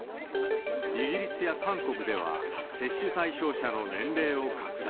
イギリスや韓国では、接種対象者の年齢を拡大。